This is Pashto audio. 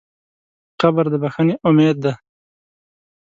قبر د بښنې امید دی.